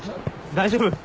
大丈夫？